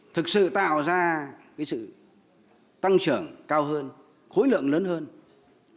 thực sự tạo ra sự tăng trưởng cao hơn khối lượng lớn hơn giá trị cao hơn